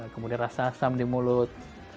kemudian rasa asam di mulut